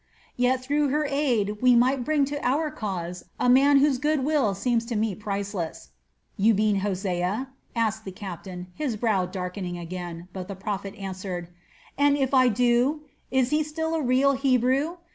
"Yet through her aid we might bring to our cause a man whose good will seems to me priceless." "You mean Hosea?" asked the captain, his brow darkening again, but the prophet added: "And if I do? Is he still a real Hebrew?